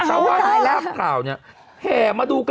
ใช่ค่ะ